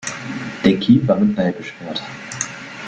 Der Kiel war mit Blei beschwert.